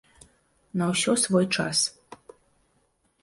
На ўсё свой час.